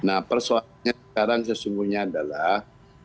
nah persoalannya sekarang sesungguhnya adalah